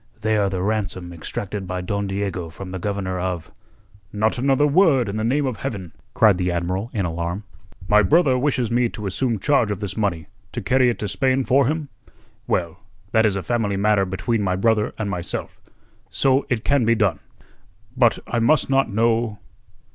"They are the ransom extracted by Don Diego from the Governor of...." "Not another word, in the name of Heaven!" cried the Admiral in alarm. "My brother wishes me to assume charge of this money, to carry it to Spain for him? Well, that is a family matter between my brother and myself. So, it can be done. But I must not know...."